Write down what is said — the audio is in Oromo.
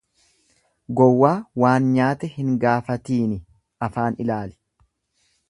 Gowwaa waan nyaate hin gaafatiini afaan ilaali.